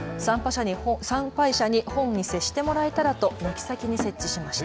参拝者に本に接してもらえたらと軒先に設置しました。